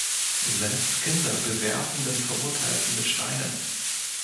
Selbst Kinder bewerfen den Verurteilten mit Steinen.